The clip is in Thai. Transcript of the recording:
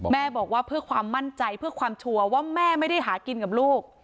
แม่บอกว่าเพื่อความมั่นใจเพื่อความชัวร์ว่าแม่ไม่ได้หากินกับลูก